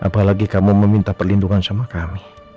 apalagi kamu meminta perlindungan sama kami